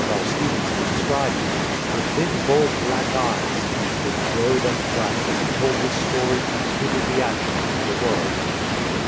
L. Stevenson described him, " with big bold black eyes,'' which glowed and flashed as he told his story and suited the action to the word.